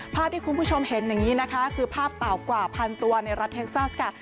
ภาพที่คุณผู้ชมเห็นอย่างนี้นะคะคือภาพเต่ากว่าพันตัวในรัฐเท็กซัสค่ะ